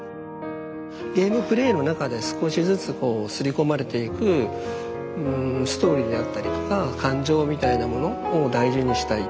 ゲームプレイの中で少しずつこう刷り込まれていくうんストーリーであったりとか感情みたいなものを大事にしたい。